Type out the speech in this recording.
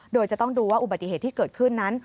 โดยจะต้องดูว่าอุบัติเหตุที่เกิดขึ้นนั้น